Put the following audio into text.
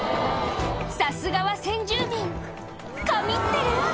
さすがは先住民神ってる！